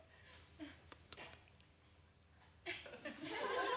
うん？